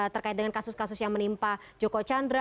terkait dengan kasus kasus yang menimpa joko chandra